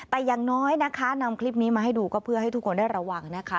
แต่อย่างน้อยนะคะนำคลิปนี้มาให้ดูก็เพื่อให้ทุกคนได้ระวังนะคะ